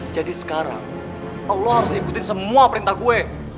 jadi sekarang lo harus ikutin semua perintah gue